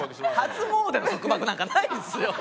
初詣の束縛なんかないですよ！